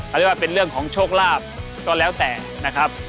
อันนี้ว่าเป็นเรื่องของโชคลาภก็แล้วแต่นะครับ